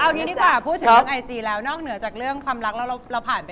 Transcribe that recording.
เอางี้ดีกว่าพูดถึงความรักแล้ว